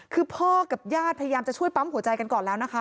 คือพ่อกับญาติพยายามจะช่วยปั๊มหัวใจกันก่อนแล้วนะคะ